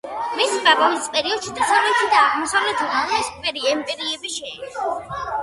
მისი პაპობის პერიოდში დასავლეთი და აღმოსავლეთი რომის იმპერიები შერიგდნენ.